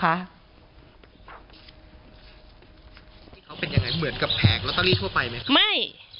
เขาเป็นอย่างไรเหมือนกับแผงลอตเตอรี่ทั่วไปไหมครับ